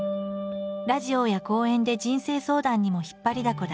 ラジオや講演で人生相談にも引っ張りだこだ。